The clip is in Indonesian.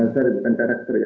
sorry bukan karakter ya